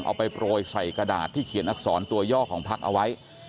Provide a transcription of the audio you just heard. เอาไปโปรยใส่กระดาษที่เขียนอักษรตัวย่อของพักเอาไว้